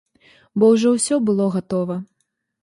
Бо ўжо ўсё было гатова.